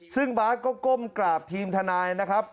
ซึ่งบาทก็ก้มกราบทีมทนายนะครับ